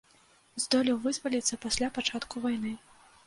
Здолеў вызваліцца пасля пачатку вайны.